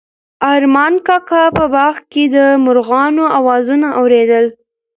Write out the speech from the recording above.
ارمان کاکا په باغ کې د مرغانو اوازونه اورېدل.